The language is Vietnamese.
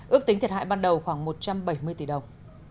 ước tính thiệt hại ban đầu khoảng một trăm bảy mươi tỷ đồng